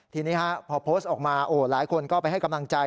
ทีนี้พอโพสต์ออกมาหลายคนก็ไปให้กำลังใจ